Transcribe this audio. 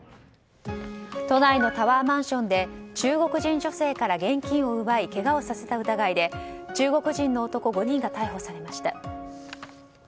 都内のタワーマンションで中国人女性から現金を奪いけがをさせた疑いで中国人の男５人が逮捕されました。